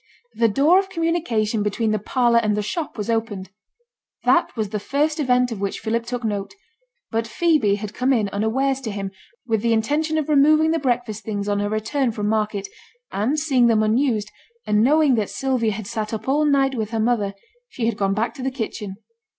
The door of communication between the parlour and the shop was opened. That was the first event of which Philip took note; but Phoebe had come in unawares to him, with the intention of removing the breakfast things on her return from market, and seeing them unused, and knowing that Sylvia had sate up all night with her mother, she had gone back to the kitchen.